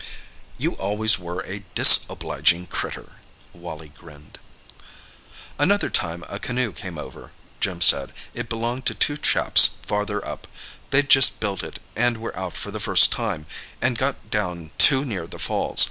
"You always were a disobliging critter," Wally grinned. "Another time a canoe came over," Jim said. "It belonged to two chaps farther up—they'd just built it, and were out for the first time, and got down too near the falls.